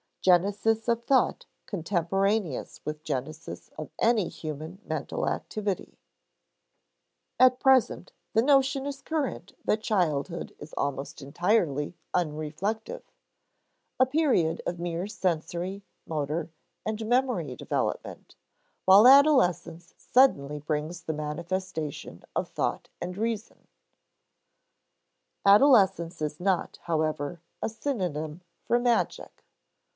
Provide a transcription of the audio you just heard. [Sidenote: Genesis of thought contemporaneous with genesis of any human mental activity] At present, the notion is current that childhood is almost entirely unreflective a period of mere sensory, motor, and memory development, while adolescence suddenly brings the manifestation of thought and reason. Adolescence is not, however, a synonym for magic.